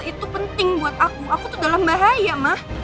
itu penting buat aku aku tuh dalam bahaya mah